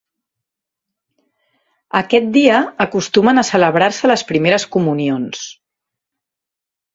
Aquest dia acostumen a celebrar-se les primeres comunions.